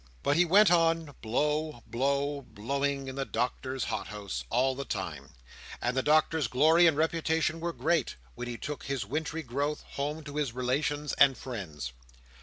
But he went on blow, blow, blowing, in the Doctor's hothouse, all the time; and the Doctor's glory and reputation were great, when he took his wintry growth home to his relations and friends.